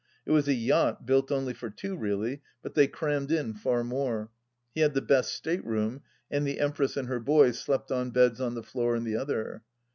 It was a yacht built only for two, really, but they crammed in far more. He had the best stateroom and the Empress and her boys slept on beds on the floor in the other.